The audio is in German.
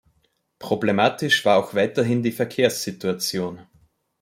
Problematisch war auch weiterhin die Verkehrssituation.